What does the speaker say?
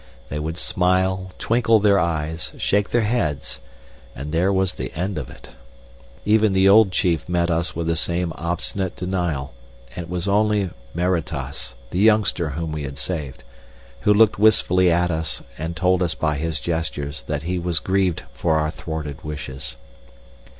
They would smile, twinkle their eyes, shake their heads, and there was the end of it. Even the old chief met us with the same obstinate denial, and it was only Maretas, the youngster whom we had saved, who looked wistfully at us and told us by his gestures that he was grieved for our thwarted wishes.